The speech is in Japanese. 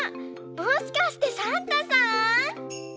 もしかしてサンタさん？